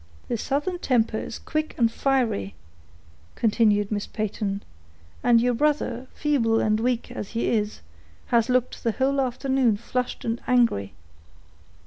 "The Southern temper is quick and fiery," continued Miss Peyton; "and your brother, feeble and weak as he is, has looked the whole afternoon flushed and angry."